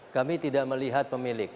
kami tidak melihat pemilik